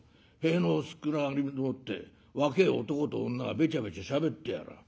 塀の薄暗がりでもって若え男と女がべちゃべちゃしゃべってやらぁ。